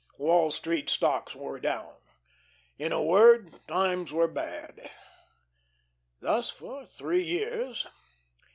Wall Street stocks were down. In a word, "times were bad." Thus for three years.